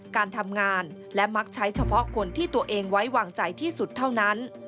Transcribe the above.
การทำงานและมักใช้เฉพาะคนที่ตัวเองไว้วางใจที่สุดเท่านั้น